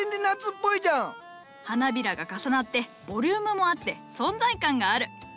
花びらが重なってボリュームもあって存在感がある。